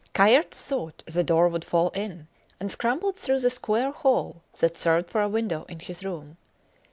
Kayerts thought the door would fall in, and scrambled through the square hole that served for a window in his room.